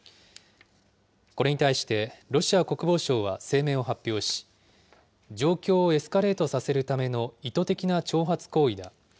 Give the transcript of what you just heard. これに対して、ロシア国防省は声明を発表し、状況をエスカレートさせるための意図的な挑発行為だ。